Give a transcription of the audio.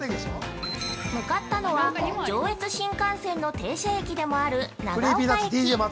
向かったのは、上越新幹線の停車駅でもある長岡駅。